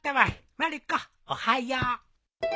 まる子おはよう。